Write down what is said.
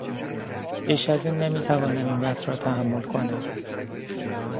بیش از این نمی توانم این وضع را تحمل کنم.